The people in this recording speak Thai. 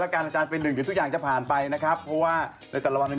และวันนี้มีทุกวันก็เพราะคุณด่าเรานี่แหละ